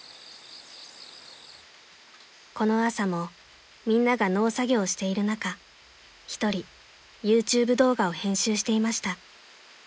［この朝もみんなが農作業をしている中一人ＹｏｕＴｕｂｅ動画を編集していました］